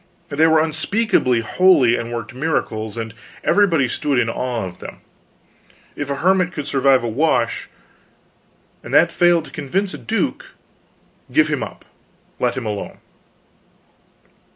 They were unspeakably holy, and worked miracles, and everybody stood in awe of them. If a hermit could survive a wash, and that failed to convince a duke, give him up, let him alone.